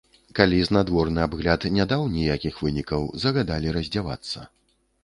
Калі знадворны абгляд не даў ніякіх вынікаў, загадалі раздзявацца.